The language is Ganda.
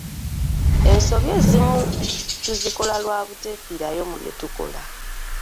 Ensobi ezimu tuzikola lwa buteefiirayo mu bye tukola.